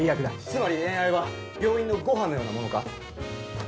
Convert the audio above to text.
「つまり恋愛は病院のご飯のようなものか？」